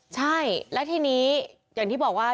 ใช่แล้วทีนี้อย่างที่บอกว่า